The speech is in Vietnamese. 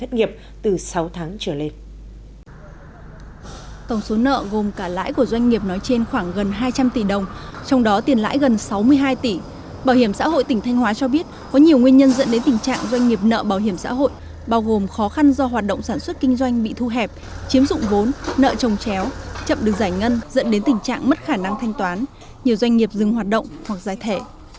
tổng cục hội tỉnh thanh hóa cho biết có nhiều nguyên nhân dẫn đến tình trạng doanh nghiệp nợ bảo hiểm xã hội bao gồm khó khăn do hoạt động sản xuất kinh doanh bị thu hẹp chiếm dụng vốn nợ trồng chéo chậm đường giải ngân dẫn đến tình trạng mất khả năng thanh toán nhiều doanh nghiệp dừng hoạt động hoặc giải thể